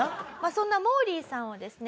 そんなモーリーさんをですね